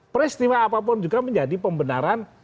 peristiwa apapun juga menjadi pembenaran